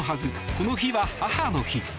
この日は母の日。